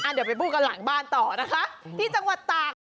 เดี๋ยวไปพูดกันหลังบ้านต่อนะคะที่จังหวัดตาก